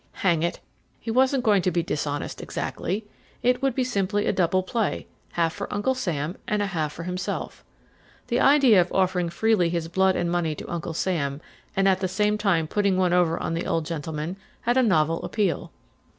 Hang it, he wasn't going to be dishonest exactly; it would be simply a double play, half for Uncle Sam and half for himself. The idea of offering freely his blood and money to Uncle Sam and at the same time putting one over on the old gentleman had a novel appeal.